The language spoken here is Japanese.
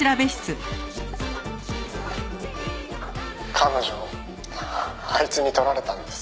「彼女をあいつに取られたんです」